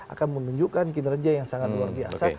akan menunjukkan kinerja yang sangat luar biasa